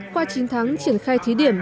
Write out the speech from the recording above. qua chín tháng triển khai thí điểm